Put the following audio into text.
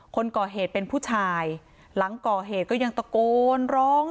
คนก่อเหตุเป็นผู้ชายหลังก่อเหตุก็ยังตะโกนร้อง